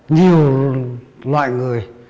nhiều loại người